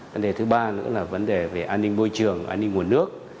vấn đề thứ ba nữa là vấn đề về an ninh môi trường an ninh nguồn nước